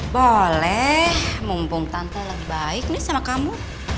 boleh mumpung tante lebih baik nih sama kamu